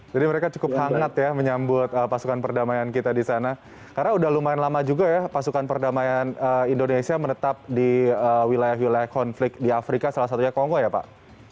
jadi mereka cukup hangat ya menyambut pasukan perdamaian kita di sana karena udah lumayan lama juga ya pasukan perdamaian indonesia menetap di wilayah wilayah konflik di afrika salah satunya kongo ya pak